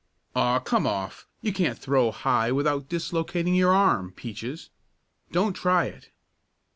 "Aw come off; you can't throw high without dislocating your arm, Peaches. Don't try it."